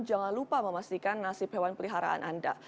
jangan lupa memastikan nasib hewan peliharaan anda